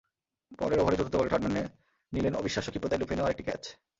পরের ওভারের চতুর্থ বলে থার্ড ম্যানে নিলেন অবিশ্বাস্য ক্ষীপ্রতায় লুফে নেওয়া আরেকটি ক্যাচ।